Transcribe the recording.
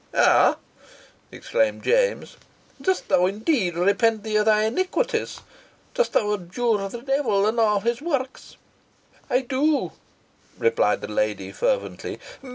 "Ah!" exclaimed James. "Dost thou, indeed, repent thee of thy iniquities? Dost thou abjure the devil and all his works?" "I do," replied the lady, fervently.